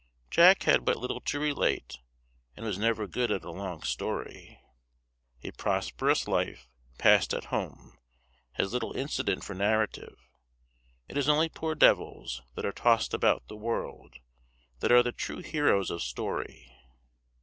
Jack had but little to relate, and was never good at a long story. A prosperous life, passed at home, has little incident for narrative; it is only poor devils, that are tossed about the world, that are the true heroes of story.